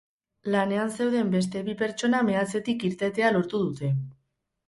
Lanean zeuden beste bi pertsona meatzetik irtetea lortu dute.